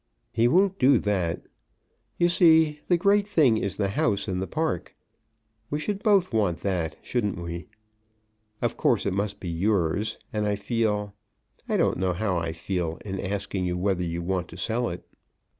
"He won't do that. You see the great thing is the house and park. We should both want that; shouldn't we? Of course it must be yours; and I feel I don't know how I feel in asking you whether you want to sell it."